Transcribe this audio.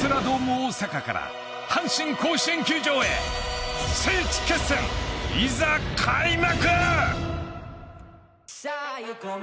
大阪から阪神甲子園球場へ、聖地決戦、いざ開幕！